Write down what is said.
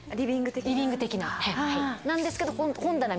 リビング的な？なんですけど。